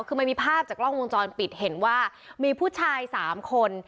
คือมันมีภาพจากกล้องวงจรปิดเห็นว่ามีผู้ชาย๓คน